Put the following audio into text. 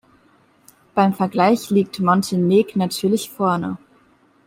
Beim Vergleich liegt Montenegnatürlich vorne.